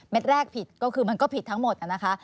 แรกผิดก็คือมันก็ผิดทั้งหมดนะคะ